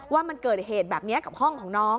ว่ามันเกิดเหตุแบบนี้กับห้องของน้อง